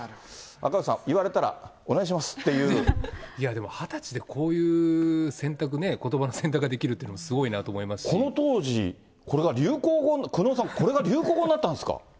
赤星さん、言われたら、お願いや、でも２０歳でこういう選択ね、ことばの選択ができるってすごいなこの当時、これが流行語に、久能さん、これが流行語になったんですか。